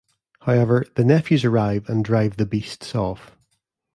However, the nephews arrive and drive the beasts off.